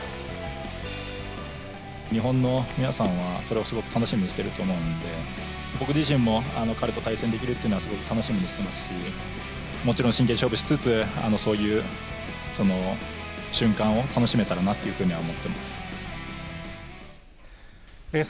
日本の皆さんは、それをすごく楽しみにしていると思うんで、僕自身も彼と対戦できるっていうのはすごく楽しみにしてますし、もちろん、真剣勝負しつつ、そういうその瞬間を楽しめたらなっていうふうには思ってます。